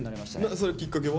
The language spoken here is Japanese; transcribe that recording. それきっかけは？